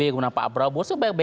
kemudian pak abraw